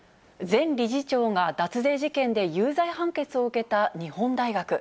前理事長が脱税事件で有罪判決を受けた日本大学。